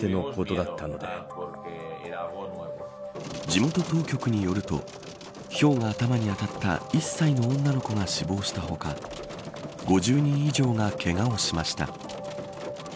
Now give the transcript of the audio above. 地元当局によるとひょうが頭に当たった１歳の女の子が死亡したほか５０人以上が、けがをしました。